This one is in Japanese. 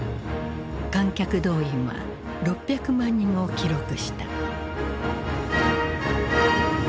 観客動員は６００万人を記録した。